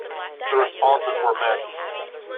The responses were mixed.